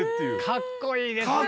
かっこいいですよね。